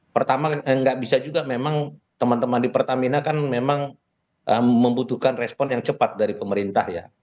pertama nggak bisa juga memang teman teman di pertamina kan memang membutuhkan respon yang cepat dari pemerintah ya